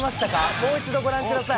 もう一度ご覧ください。